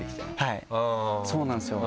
はいそうなんですよ。